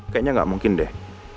kayaknya gak mungkin deh